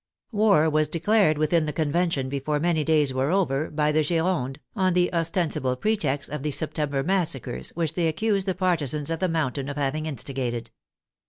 War was declared within the Convention before many days were over, by the Gironde, on the ostensible pretext of the September massacres, which they accused the par tisans of the Mountain of having instigated.